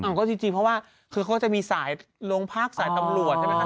อ่าก็จริงจริงเพราะว่าคือเขาก็จะมีสายโรงพาร์คสายตำรวจใช่ไหมคะ